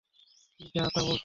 কী যা তা বলছ এগুলো!